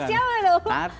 kata siapa tuh